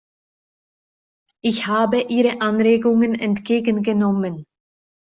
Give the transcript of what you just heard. Ich habe Ihre Anregungen entgegengenommen.